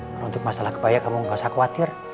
kalau untuk masalah kebaya kamu gak usah khawatir